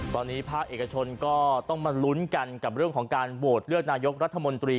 ตอนนี้ภาคเอกชนก็ต้องมาลุ้นกันกับเรื่องของการโหวตเลือกนายกรัฐมนตรี